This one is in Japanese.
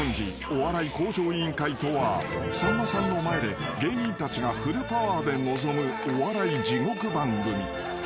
『お笑い向上委員会』とはさんまさんの前で芸人たちがフルパワーで臨むお笑い地獄番組］